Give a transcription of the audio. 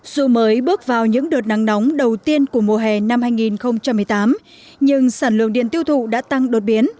dù mới bước vào những đợt nắng nóng đầu tiên của mùa hè năm hai nghìn một mươi tám nhưng sản lượng điện tiêu thụ đã tăng đột biến